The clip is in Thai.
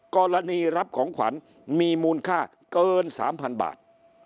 กรณีรับของขวัญมีมูลค่าเกิน๓๐๐๐บาท